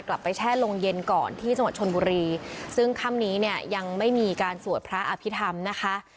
แช่โรงเย็นก่อนที่จังหวัดชนบุรีซึ่งค่ำนี้เนี่ยยังไม่มีการสวดพระอภิษฐรรมนะคะ